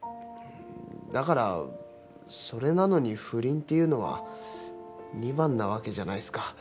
だからそれなのに不倫っていうのは二番なわけじゃないっすか。